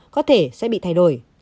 có thể sẽ bị thay đổi